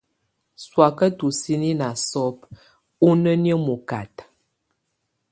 Sɔaka tusini na sɔbɛ onienə mɔkata.